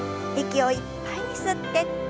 息をいっぱいに吸って。